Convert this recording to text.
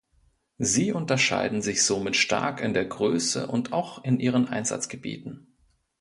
Sie unterscheiden sich somit stark in der Größe und auch in ihren Einsatzgebieten.